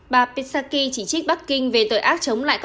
bà psaki chỉ trích bắc kinh về tội ác chống lại